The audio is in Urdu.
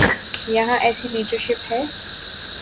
یہاں ایسی لیڈرشپ ہے؟